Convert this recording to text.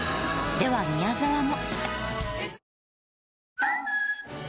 では宮沢も。